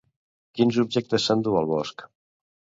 Quins objectes s'enduu al bosc?